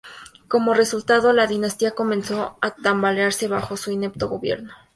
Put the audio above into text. Como resultado, la dinastía comenzó a tambalearse bajo su inepto gobierno.